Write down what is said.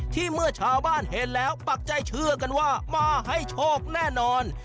เมื่อชาวบ้านเห็นแล้วปักใจเชื่อกันว่ามาให้โชคแน่นอน